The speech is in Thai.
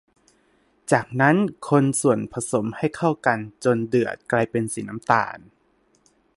จากนั้นคนส่วนผสมให้เข้ากันจนเดือดกลายเป็นสีน้ำตาล